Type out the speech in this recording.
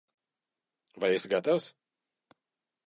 Vai esi gatavs?